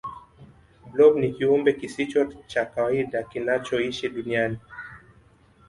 blob ni kiumbe kisicho cha kawaida kinachoishi duniani